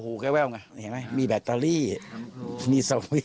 อ๋อกูแววเห็นไหมมีแบตเตอรี่มีสวิตช์